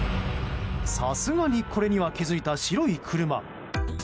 さすがにこれには気づいた白い車。